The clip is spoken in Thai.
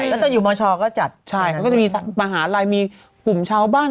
แล้วเธออยู่มหาลัยก็จัดแบบนั้นใช่ไหมใช่เธอจะมาหาลัยมีกลุ่มชาวบ้าน